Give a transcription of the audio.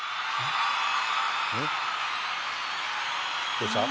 どうした？